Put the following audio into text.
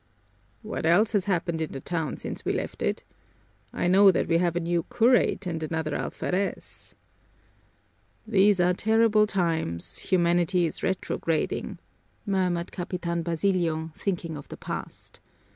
"What else has happened in the town since we left it? I know that we have a new curate and another alferez." "These are terrible times, humanity is retrograding," murmured Capitan Basilio, thinking of the past.